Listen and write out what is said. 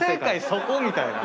そこ⁉みたいな。